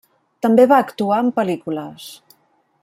També va actuar en pel·lícules.